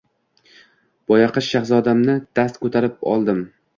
boyoqish shahzodamni dast ko‘tarib oldim.